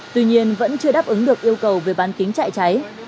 tuy nhiên vẫn chưa đáp ứng được yêu cầu về bán kính chạy cháy